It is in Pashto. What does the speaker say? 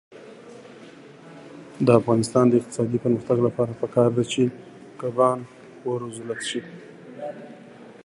د افغانستان د اقتصادي پرمختګ لپاره پکار ده چې کبان وروزلت شي.